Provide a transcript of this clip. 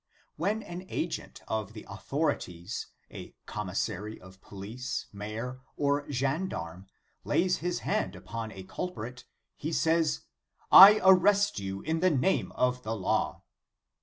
When an agent of the authorities, a commissary of police, mayor, or gendarme, lays his hand upon a culprit, he says: "I arrest you in the name of the law."